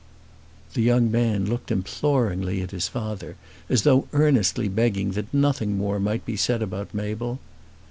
The young man looked imploringly at his father, as though earnestly begging that nothing more might be said about Mabel.